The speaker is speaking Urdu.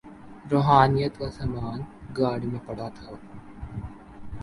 روحانیت کا سامان گاڑی میں پڑا تھا۔